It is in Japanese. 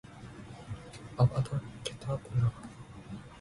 アバダ・ケタブラぁ！！！